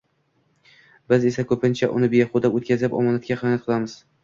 Biz esa ko’pincha, uni behuda o’tkazib, omonatga xiyonat qilamiz.